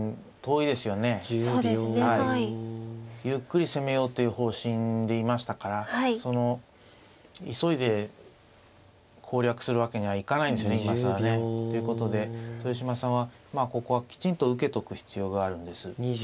ゆっくり攻めようという方針でいましたから急いで攻略するわけにはいかないんですよね今更ね。ということで豊島さんはここはきちんと受けておく必要があるんです。